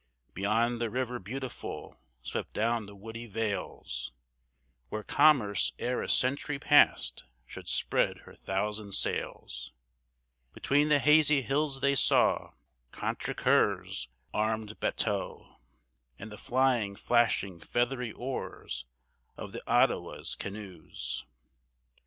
Beyond, the River Beautiful swept down the woody vales, Where Commerce, ere a century passed, should spread her thousand sails; Between the hazy hills they saw Contrecoeur's armed batteaux, And the flying, flashing, feathery oars of the Ottawa's canoes.